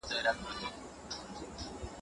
سندرې د زړو کسانو ذهن ته ګټه رسوي.